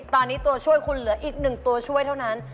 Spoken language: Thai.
ตอนนี้ตัวช่วยคุณเหลืออีก๑ตัวช่วยเท่านั้น